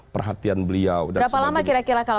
perhatian beliau berapa lama kira kira kalau